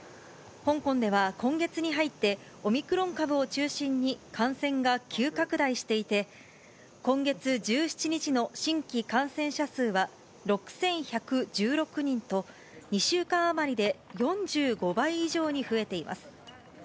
香港では今月に入って、オミクロン株を中心に感染が急拡大していて、今月１７日の新規感染者数は６１１６人と、２週間余りで４５倍以上に増えています。